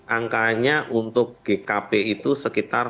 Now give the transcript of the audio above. angkanya untuk gkp itu sekitar rp lima